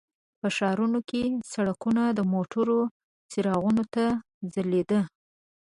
په ښارونو کې سړکونه د موټرو څراغونو ته ځلیده.